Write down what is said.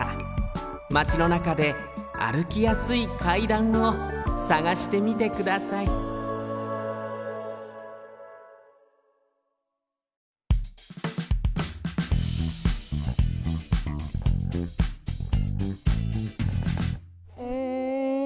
マチのなかであるきやすい階段をさがしてみてくださいうん。